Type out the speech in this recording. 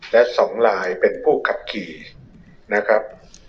และ๒ลายเป็นผู้ขับขี่นะครับ